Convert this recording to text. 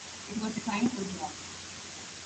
It was his kind of job.